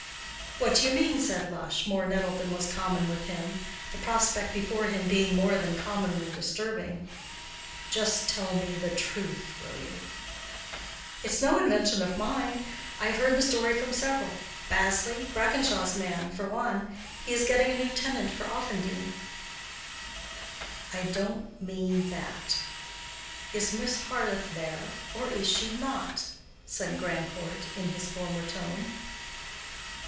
"What do you mean?" said Lush, more nettled than was common with him—the prospect before him being more than commonly disturbing. "Just tell me the truth, will you?" "It's no invention of mine. I have heard the story from several—Bazley, Brackenshaw's man, for one. He is getting a new tenant for Offendene." "I don't mean that. Is Miss Harleth there, or is she not?" said Grandcourt, in his former tone.